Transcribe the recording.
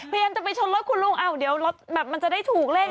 พยายามจะไปชนรถคุณลุงอ้าวเดี๋ยวรถมันจะได้ถูกเร่ง